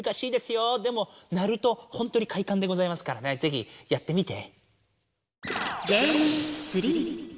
でもなるとほんとにかいかんでございますからねぜひやってみて。